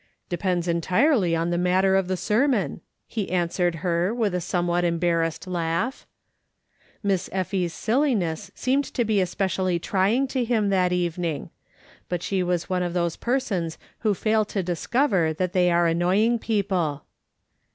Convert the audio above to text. " Depends entirely on the matter of the sermon," he answered her, with a somewhat embarrassed laugh. Miss Effie's silliness seemed to be especially trying to him that evening. But she was one of those persons who fail to discover that they are annoying people.